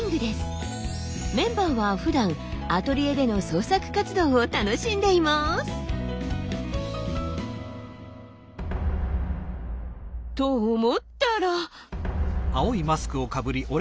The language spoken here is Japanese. メンバーはふだんアトリエでの創作活動を楽しんでいます。と思ったら。